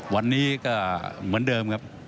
วันนี้ก็เหมือนเดิมครับ